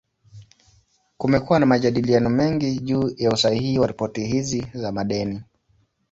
Kumekuwa na majadiliano mengi juu ya usahihi wa ripoti hizi za madeni.